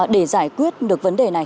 để giải quyết được vấn đề này